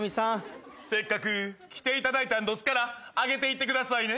せっかく来ていただいたんどすからあげていってくださいね。